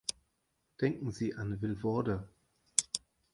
Denken Sie an Vilvoorde!